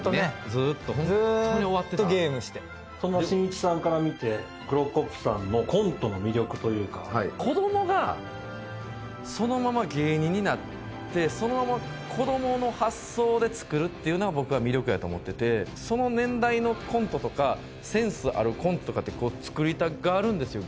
ずーっとゲームしてそのしんいちさんから見てクロコップさんのコントの魅力というか子どもがそのまま芸人になってそのまま子どもの発想でつくるっていうのが僕が魅力やと思っててその年代のコントとかセンスあるコントとかってつくりたがるんですよ